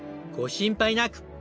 ご心配なく！